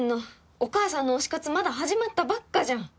お母さんの推し活まだ始まったばっかじゃん！